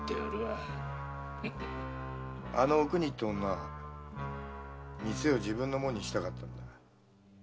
あのお邦って女は店を自分のもんにしたかったんだ。